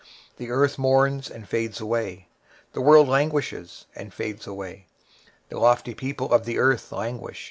23:024:004 The earth mourneth and fadeth away, the world languisheth and fadeth away, the haughty people of the earth do languish.